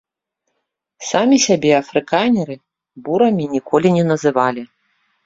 Самі сябе афрыканеры бурамі ніколі не называлі.